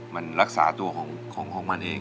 มันรักษาตัวของมันเอง